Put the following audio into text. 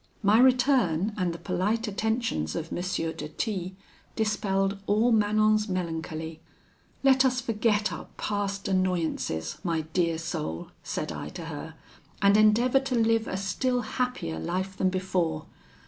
"My return and the polite attentions of M. de T dispelled all Manon's melancholy. 'Let us forget our past annoyances, my dear soul,' said I to her, 'and endeavour to live a still happier life than before.